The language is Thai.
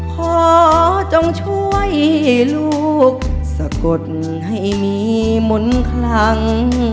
ขอจงช่วยลูกสะกดให้มีมนต์คลัง